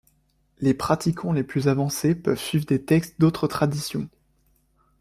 Les pratiquants les plus avancés peuvent suivre des textes d’autres traditions.